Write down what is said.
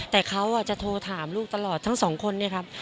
แต่เขาจะโทรถามลูกตลอดทั้งสองคนเนี่ยครับ